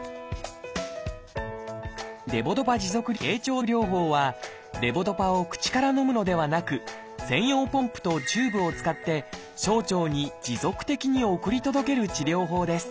「レボドパ持続経腸療法」はレボドパを口からのむのではなく専用ポンプとチューブを使って小腸に持続的に送り届ける治療法です